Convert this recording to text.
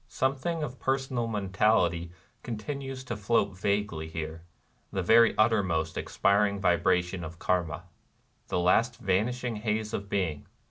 Something of personal mentality continues to float vaguely here, — the very uttermost expiring vibration of Karma, — the last vanishing haze of being.